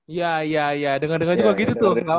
iya iya iya denger dengerin juga gitu tuh